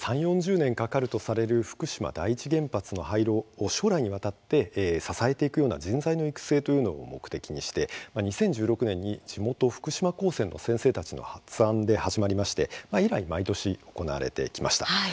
３０、４０年かかるとされる福島第一原発の廃炉を将来にわたって支えていくような人材の育成というのを目的にして２０１６年に地元、福島高専の先生たちの発案で始まりまして以来、毎年行われてきました。